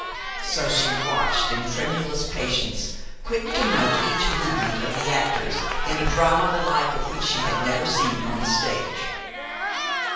So she watched, in tremulous patience, quick to note each movement of the actors in a drama the like to which she had never seen on the stage.